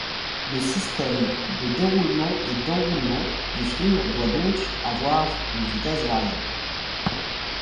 Le système de déroulement et d'enroulement du film doit donc avoir une vitesse variable.